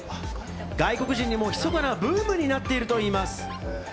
外国人にも密かなブームになっているといいます。